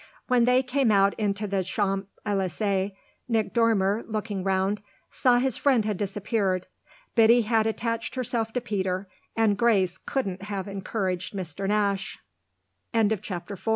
When they came out into the Champs Elysées Nick Dormer, looking round, saw his friend had disappeared. Biddy had attached herself to Peter, and Grace couldn't have encouraged Mr. Nash. V Lady Agnes's idea had been that her son sho